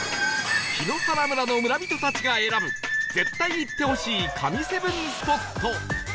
檜原村の村人たちが選ぶ絶対行ってほしい神７スポット